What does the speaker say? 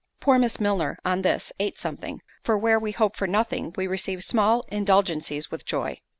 Poor Miss Milner, on this, ate something; for where we hope for nothing, we receive small indulgencies with joy.